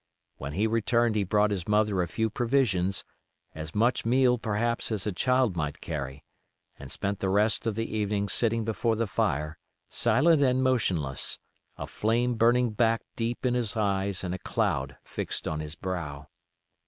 When he returned he brought his mother a few provisions, as much meal perhaps as a child might carry, and spent the rest of the evening sitting before the fire, silent and motionless, a flame burning back deep in his eyes and a cloud fixed on his brow.